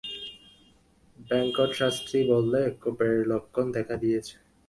বেঙ্কট শাস্ত্রী বললে, কোপের লক্ষণ দেখা দিয়েছে।